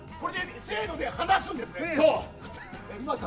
せーので離すんですね。